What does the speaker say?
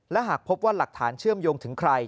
และหากพบว่าหลักฐานเชื่อมโยงถึงใคร